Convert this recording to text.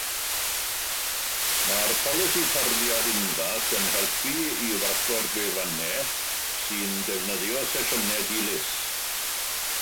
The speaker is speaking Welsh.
Mae'r polisi tarddiad unfath yn helpu i warchod gwefannau sy'n defnyddio sesiynau dilys.